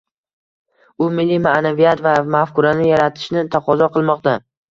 U milliy maʼnaviyat va mafkurani yaratishni taqozo qilmoqda.